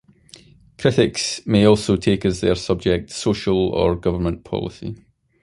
Critics may also take as their subject social or government policy.